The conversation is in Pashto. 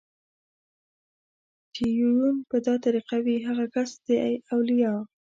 چې يې يون په دا طريق وي هغه کس دئ اوليا